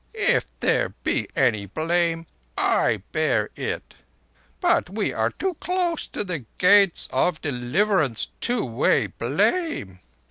If there be any blame, I bear it. But we are too close to the Gates of Deliverance to weigh blame.